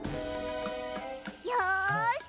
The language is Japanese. よし！